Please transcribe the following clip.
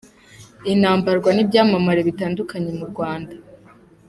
inambarwa n’ibyamamare bitandukanye mu Rwanda.